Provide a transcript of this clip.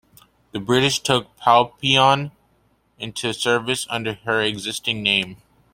The British took "Papillon" into service under her existing name.